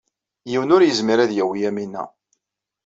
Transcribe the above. Yiwen ur yezmir ad yawi Yamina.